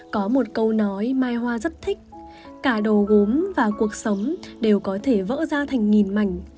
có một câu nói mai hoa rất thích cả đồ gốm và cuộc sống đều có thể vỡ ra thành nghìn mảnh